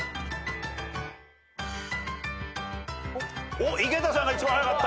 おっ井桁さんが一番早かった。